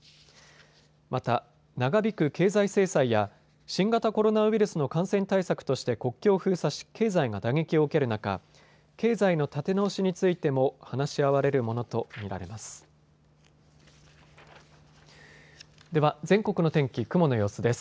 また、長引く経済制裁や新型コロナウイルスの感染対策として国境を封鎖し、経済が打撃を受ける中、経済の立て直しについても話し合われるものと見られます。